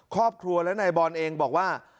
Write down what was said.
ครอบครัวและนายบอลเองบอกว่า